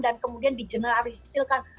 dan kemudian di generalisirkan